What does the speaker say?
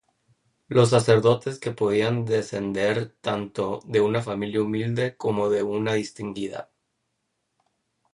Los Sacerdotes, que podían descender tanto de una familia humilde como de una distinguida.